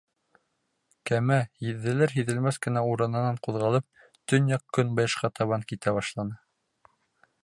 Кәмә, һиҙелер-һиҙелмәҫ кенә урынынан ҡуҙғалып, төньяҡ-көнбайышҡа табан китә башланы.